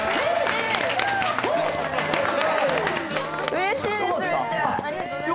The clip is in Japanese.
うれしいですめっちゃ。よかった？